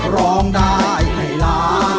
ร้องได้ให้ล้าน